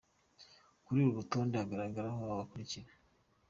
Kuri uru rutonde hagaragaraho aba bakurikira: